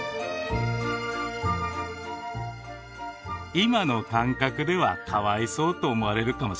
今の感覚ではかわいそうと思われるかもしれないね。